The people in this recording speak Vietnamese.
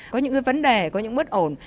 có những vấn đề có những bất ổn